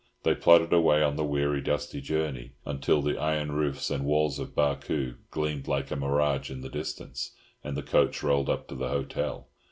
They plodded away on the weary, dusty journey, until the iron roofs and walls of Barcoo gleamed like a mirage in the distance, and the coach rolled up to the hotel.